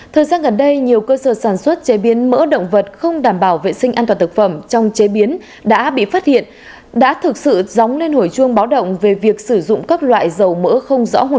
thời gian gần đây nhiều cơ sở sản xuất chế biến mỡ động vật không đảm bảo vệ sinh an toàn thực phẩm trong chế biến đã bị phát hiện đã thực sự dóng lên hồi chuông báo động về việc sử dụng các loại dầu mỡ không rõ nguồn gốc